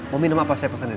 mau minum apa saya pesenin